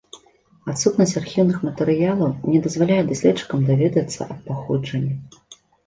Адсутнасць архіўных матэрыялаў не дазваляе даследчыкам даведацца аб паходжанні.